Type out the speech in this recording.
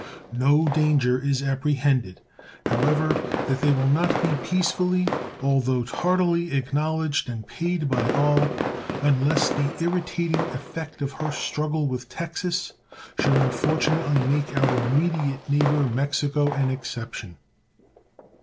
No danger is apprehended, however, that they will not be peacefully, although tardily, acknowledged and paid by all, unless the irritating effect of her struggle with Texas should unfortunately make our immediate neighbor, Mexico, an exception.